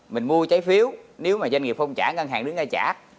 mình mua trái phiếu nếu mà doanh nghiệp không trả ngân hàng đứng ra trả